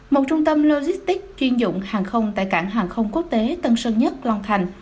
một trung tâm logistics chuyên dụng hàng không tại cảng hàng không quốc tế tân sơn nhất long thành